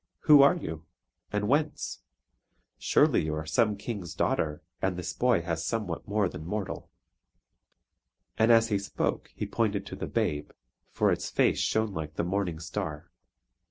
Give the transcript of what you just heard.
Who are you, and whence? Surely you are some King's daughter and this boy has somewhat more than mortal." And as he spoke he pointed to the babe; for its face shone like the morning star.